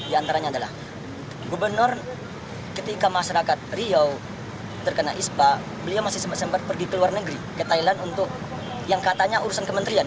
di antaranya adalah gubernur ketika masyarakat riau terkena ispa beliau masih sempat sempat pergi ke luar negeri ke thailand untuk yang katanya urusan kementerian